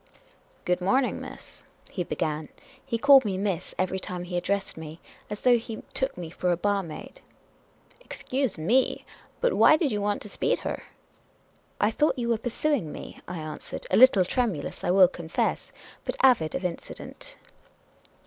" Good morning, miss," he began — he called me " miss " ev^ery time he addressed me, as though he took me for a bar maid. " Ex cuse mc, but why did you want to speed her?" " I thought you were pursuing me, ' I answered, a little tremulous, I will confess, but avid of incident.